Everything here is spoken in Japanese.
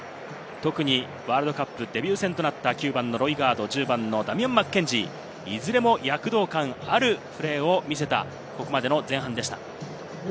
特にワールドカップデビュー戦となった９番のロイガード、１０番のダミアン・マッケンジー、躍動感あるプレーを見せた、ここまでの前半でした。